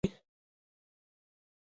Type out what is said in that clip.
علمي، ټولنیز، او سیاسي اقدامات وشي.